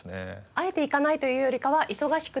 あえて行かないというよりかは忙しくて？